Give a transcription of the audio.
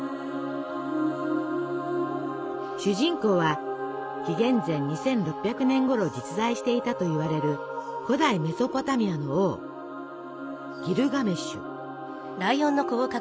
主人公は紀元前２６００年ごろ実在していたといわれる古代メソポタミアの王ギルガメシュ。